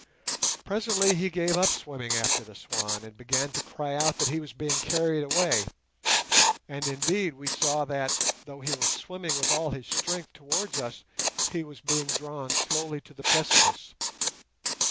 Presently he gave up swimming after the swan, and began to cry out that he was being carried away; and, indeed, we saw that, though he was swimming with all his strength towards us, he was being drawn slowly to the precipice.